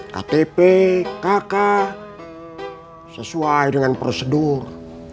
ktp kk sesuai dengan prosedur